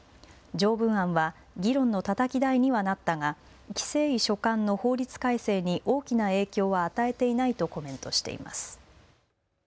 条文案は議論のたたき台にはなったが規制委所管の法律改正に大きな影響は与えていないとコメントしています。